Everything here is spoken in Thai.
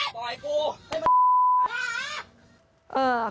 ป่อยกู